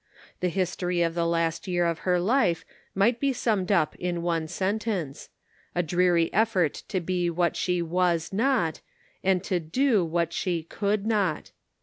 The history of the last year of her life might be summed up in one sentence — a dreary effort to be what she was not, and to do what she could not.